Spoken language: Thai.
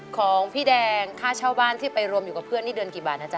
ของพี่แดงค่าเช่าบ้านที่ไปรวมอยู่กับเพื่อนนี่เดือนกี่บาทนะจ๊